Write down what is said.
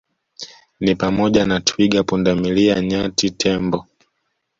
ni pamoja na twiga pundamilia nyati tembo